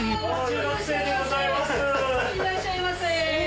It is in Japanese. いらっしゃいませ。